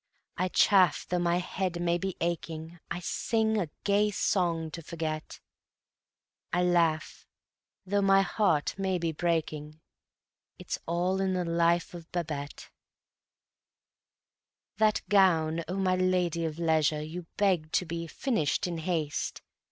I chaff though my head may be aching; I sing a gay song to forget; I laugh though my heart may be breaking It's all in the life of Babette. That gown, O my lady of leisure, You begged to be "finished in haste."